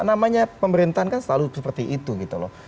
namanya pemerintahan kan selalu seperti itu gitu loh